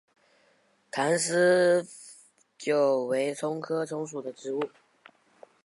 坛丝韭为葱科葱属的植物。